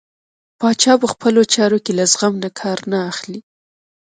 پاچا په خپلو چارو کې له زغم نه کار نه اخلي .